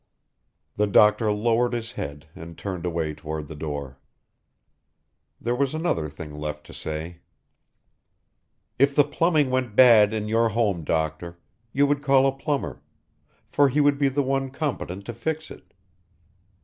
The doctor lowered his head and turned away toward the door. There was another thing left to say: "If the plumbing went bad in your home, doctor, you would call a plumber, for he would be the one competent to fix it."